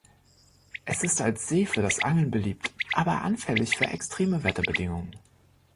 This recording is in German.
Es ist als See für das Angeln beliebt, aber anfällig für extreme Wetterbedingungen.